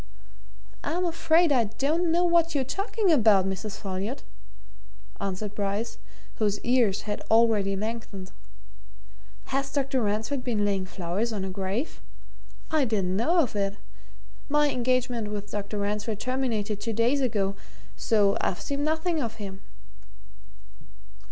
"I'm afraid I don't know what you're talking about, Mrs. Folliot," answered Bryce, whose ears had already lengthened. "Has Dr. Ransford been laying flowers on a grave? I didn't know of it. My engagement with Dr. Ransford terminated two days ago so I've seen nothing of him."